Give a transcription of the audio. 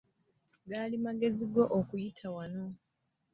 Gaali magezi go okuyita wano?